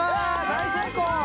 大成功！